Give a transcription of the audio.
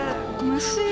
虫？